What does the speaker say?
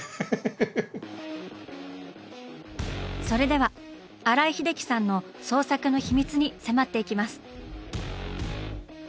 それでは新井英樹さんの創作の秘密に迫っていきます！